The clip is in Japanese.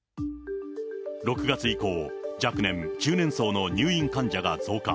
６月以降、若年、中年層の入院患者が増加。